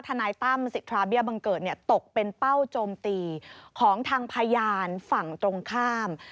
นายตั้มสิทธาเบี้ยบังเกิดตกเป็นเป้าโจมตีของทางพยานฝั่งตรงข้าม